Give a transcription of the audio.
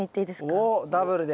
おおっダブルで。